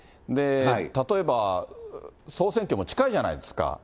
例えば総選挙も近いじゃないですか。